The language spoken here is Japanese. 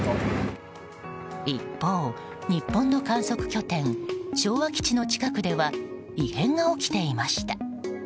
一方、日本の観測拠点昭和基地の近くでは異変が起きていました。